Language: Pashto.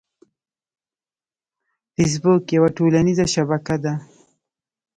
فېسبوک یوه ټولنیزه شبکه ده